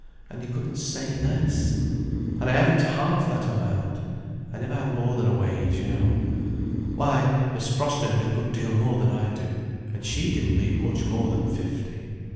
And you couldn't say less. And I haven't half that amount. I never had more than a wage, you know. Why, Miss Frost earned a good deal more than I do. And she didn't leave much more than fifty.